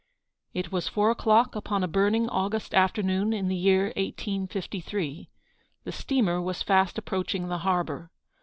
It was four o'clock upon a burning August afternoon in the year 1853. The steamer was fast approaching the harbour.